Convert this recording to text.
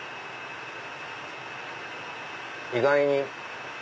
意外に。